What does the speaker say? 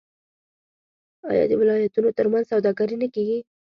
آیا د ولایتونو ترمنځ سوداګري نه کیږي؟